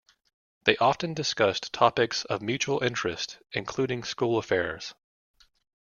They often discussed topics of mutual interest including school affairs.